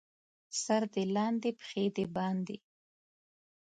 سر دې لاندې، پښې دې باندې.